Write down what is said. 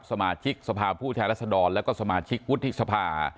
สมาชิกสภาพผู้แทนรัศดรแล้วก็สมาชิกวุฒิสภา